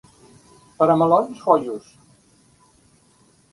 Per a melons, Foios.